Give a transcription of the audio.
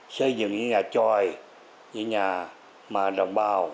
xây dựng những nhà tròi những nhà mà đồng bào